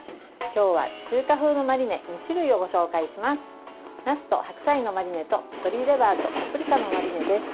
今日は中華風のマリネ２種類をご紹介します。